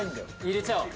入れちゃおう